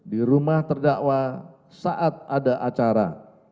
di rumah terdakwa saat ada acara